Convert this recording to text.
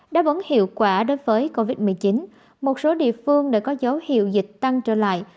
đáp ứng hiệu quả đối với covid một mươi chín một số địa phương đã có dấu hiệu dịch tăng trở lại